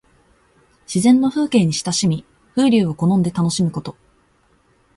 自然の風景に親しみ、風流を好んで楽しむこと。